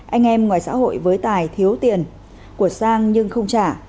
anh em ngoài xã hội với tài thiếu tiền của sang nhưng không trả